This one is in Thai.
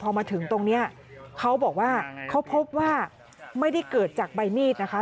พอมาถึงตรงนี้เขาบอกว่าเขาพบว่าไม่ได้เกิดจากใบมีดนะคะ